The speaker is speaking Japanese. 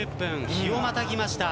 日をまたぎました。